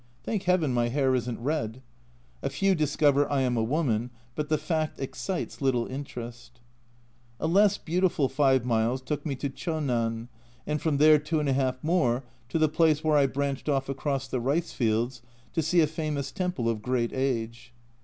Thank heaven my hair isn't red. A few discover I am a woman, but the fact excites little interest. A less beautiful 5 miles took me to Chonan, and from there 2\ more to the place where I branched off across the rice fields to see a famous temple of great age.